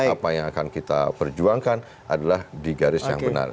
apa yang akan kita perjuangkan adalah di garis yang benar